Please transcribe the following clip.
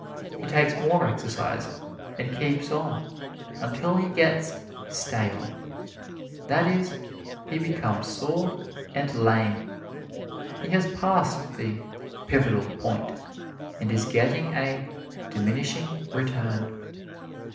He takes more exercise and keeps on until he gets "stale" that is, he becomes sore and lame. He has passed the Pivotal Point and is getting a Diminishing Return.